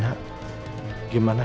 tidak ada yang ngerti